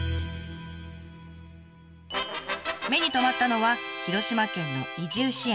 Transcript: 目に留まったのは広島県の移住支援。